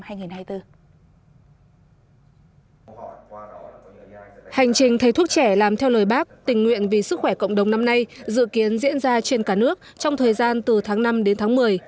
hành trình thầy thuốc trẻ làm theo lời bác tình nguyện vì sức khỏe cộng đồng năm nay dự kiến diễn ra trên cả nước trong thời gian từ tháng năm đến tháng một mươi